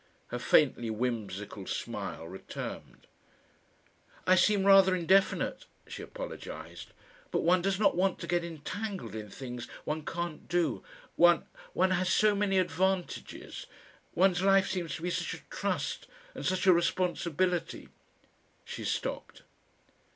Her faintly whimsical smile returned. "I seem rather indefinite," she apologised, "but one does not want to get entangled in things one can't do. One one has so many advantages, one's life seems to be such a trust and such a responsibility " She stopped.